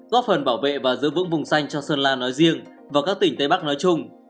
góp phần bảo vệ và giữ vững vùng xanh cho sơn la nói riêng và các tỉnh tây bắc nói chung